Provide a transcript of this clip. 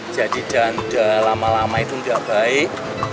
jadi jangan udah lama lama itu gak baik